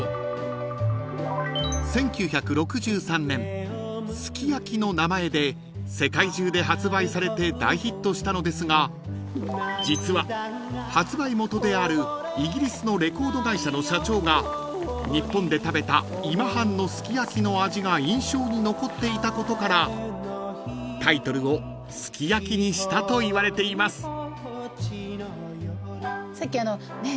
［１９６３年『ＳＵＫＩＹＡＫＩ』の名前で世界中で発売されて大ヒットしたのですが実は発売元であるイギリスのレコード会社の社長が日本で食べた今半のすき焼きの味が印象に残っていたことからタイトルを『ＳＵＫＩＹＡＫＩ』にしたといわれています］